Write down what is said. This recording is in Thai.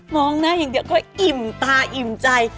องหน้าอย่างเดียวก็อิ่มตาอิ่มใจ